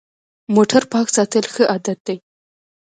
موټر پاک ساتل ښه عادت دی.